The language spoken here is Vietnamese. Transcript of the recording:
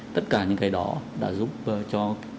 tất cả những cái đó đã giúp cho